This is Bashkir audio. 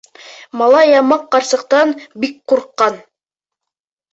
Малай ямаҡ ҡарсыҡтан бик ҡурҡҡан.